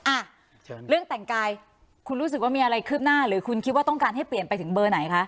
อ่ะเชิญเรื่องแต่งกายคุณรู้สึกว่ามีอะไรคืบหน้าหรือคุณคิดว่าต้องการให้เปลี่ยนไปถึงเบอร์ไหนคะ